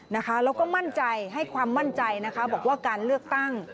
แล้วก็ให้ความมั่นใจบอกว่าการเลือกตั้ง